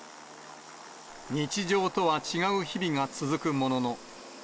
日常とは違う日々が続くものの。